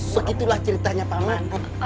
segitulah ceritanya pak man